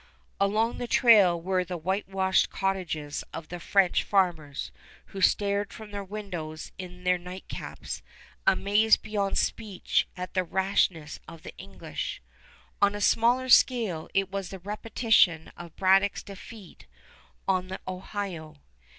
Along the trail were the whitewashed cottages of the French farmers, who stared from their windows in their nightcaps, amazed beyond speech at the rashness of the English. On a smaller scale it was a repetition of Braddock's defeat on the Ohio.